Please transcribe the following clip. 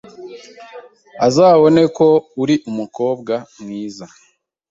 azabone ko uri umukobwa mwiza.